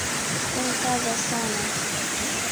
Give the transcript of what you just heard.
Kunkaza sana.